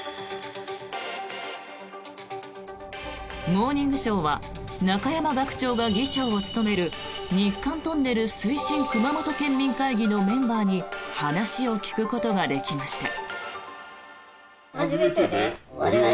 「モーニングショー」は中山学長が議長を務める日韓トンネル推進熊本県民会議のメンバーに話を聞くことができました。